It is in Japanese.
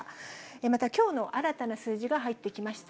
またきょうの新たな数字が入ってきました。